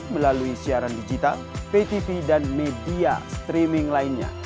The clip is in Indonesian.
melalui siaran digital patv dan media streaming lainnya